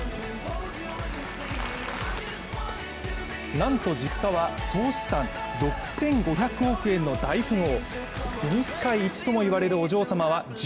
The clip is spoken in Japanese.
なんと実家は総資産６５００億円の大富豪。